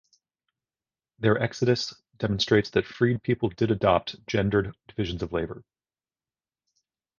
Their exodus demonstrates that freedpeople did adopt gendered divisions of labor.